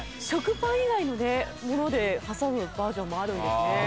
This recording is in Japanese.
食パン以外のでもので挟むバージョンもあるんですね。